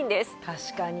確かに。